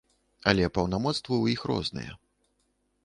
Але паўнамоцтвы ў іх розныя.